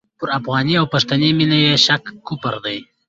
پر افغاني او پښتني مینه یې شک کفر دی.